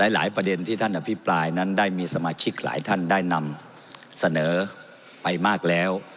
หลายประเด็นที่ท่านอภิปรายนั้นได้มีสมาชิกหลายท่านได้นำเสนอไปมากแล้ว